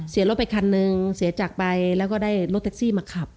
รถไปคันหนึ่งเสียจากไปแล้วก็ได้รถแท็กซี่มาขับ